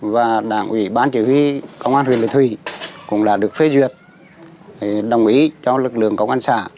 và đảng ủy ban chỉ huy công an huyện lệ thủy cũng đã được phê duyệt đồng ý cho lực lượng công an xã